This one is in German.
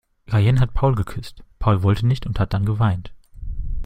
Rayen hat Paul geküsst, Paul wollte nicht und hat dann geweint.